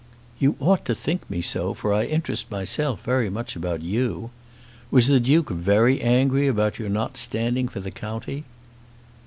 "You ought to think me so, for I interest myself very much about you. Was the Duke very angry about your not standing for the county?"